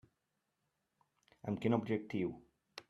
Amb quin objectiu?